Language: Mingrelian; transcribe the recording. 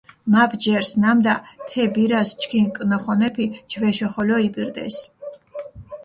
მა ბჯერს, ნამდა თე ბირას ჩქინ კჷნოხონეფი ჯვეშო ხოლო იბირდეს.